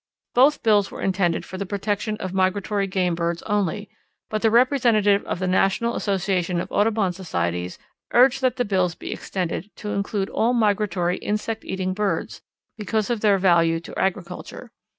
Both bills were intended for the protection of migratory game birds only, but the representative of the National Association of Audubon Societies urged that the bills be extended to include all migratory insect eating birds, because of their value to agriculture.